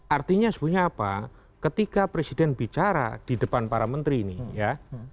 artinya sebenarnya apa ketika presiden bicara di depan para menteri ini ya